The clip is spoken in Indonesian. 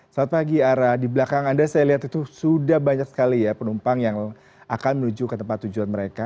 selamat pagi ara di belakang anda saya lihat itu sudah banyak sekali ya penumpang yang akan menuju ke tempat tujuan mereka